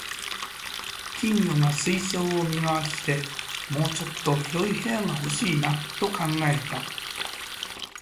金魚が水槽を見回して、「もうちょっと広い部屋が欲しいな」と考えた